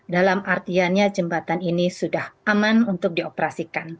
dalam artiannya jembatan ini sudah aman untuk dioperasikan